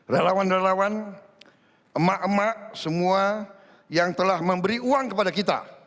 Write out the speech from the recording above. relawan relawan emak emak semua yang telah memberi uang kepada kita